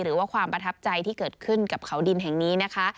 หรือว่าความประทับใจที่เกิดขึ้นกับเขาดินแห่งนี้นะคะ